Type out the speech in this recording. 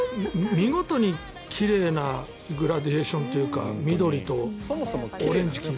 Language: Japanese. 見事に奇麗なグラデーションというか緑とオレンジ、黄色。